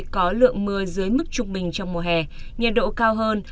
có lượng mưa dưới mức trung bình trong mùa hè nhiệt độ cao hơn